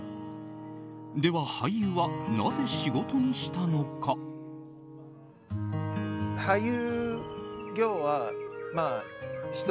では、俳優はなぜ仕事にしたのか？